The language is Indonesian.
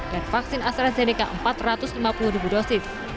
dan vaksin astrazeneca empat ratus lima puluh dosis